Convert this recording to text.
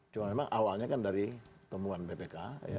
cuma memang awalnya kan dari temuan bpk